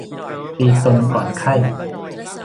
ตีตนก่อนไข้